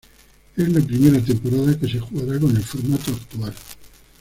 Es la primera temporada que se jugará con el formato actual.